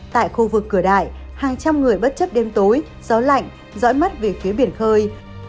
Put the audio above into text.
tại khu vực cửa đại hàng trăm người bất chấp đêm tối gió lạnh dõi mắt về phía biển khơi